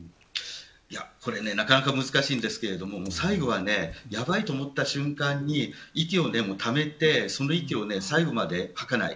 これはなかなか難しいですけど最後は、やばいと思った瞬間に息をためてその息を最後まで吐かない